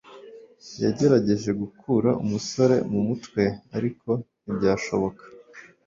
yagerageje gukura umusore mu mutwe, ariko ntibyashoboka